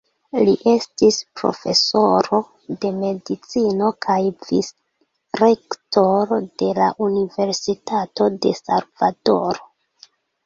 Li estis profesoro de Medicino kaj Vicrektoro de la Universitato de Salvadoro.